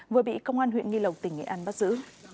vừa bị công an huyện nghi lộc tỉnh nghệ an bắt giữ